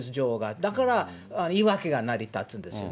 だから言い訳が成り立つんですよね。